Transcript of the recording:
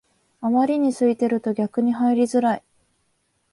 あまりに空いてると逆に入りづらい